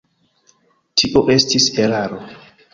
Tio estis eraro.